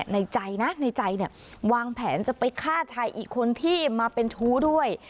ในใจนะในใจเนี่ยวางแผนจะไปฆ่าชายอีกคนที่มาเป็นชู้ด้วย